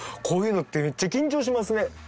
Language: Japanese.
こういうのってめっちゃ緊張しますね。